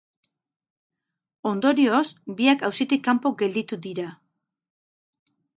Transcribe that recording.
Ondorioz, biak auzitik kanpo gelditu dira.